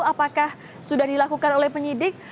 apakah sudah dilakukan oleh penyidik